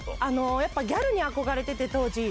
やっぱギャルに憧れてて、当時。